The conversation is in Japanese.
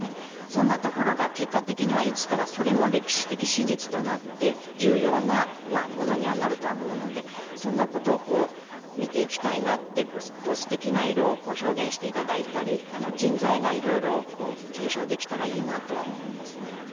そんなところが結果的にはいつかそれも歴史的史実となって重要なものにはなると思うのでそんなことを見ていきたいなって素敵な色を表現していただいたり人材が色々、継承できたらいいなとは思いますね。